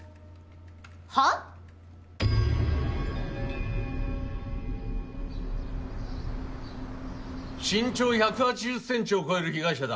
はぁ⁉・身長１８０ｃｍを超える被害者だ・